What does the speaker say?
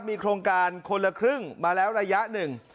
มีโครงการคนละครึ่งมาแล้วระยะหนึ่ง